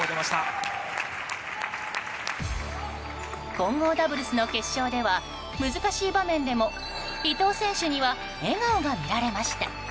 混合ダブルスの決勝では難しい場面でも伊藤選手には笑顔が見られました。